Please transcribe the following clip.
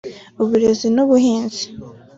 uburezi n’ubuhinzi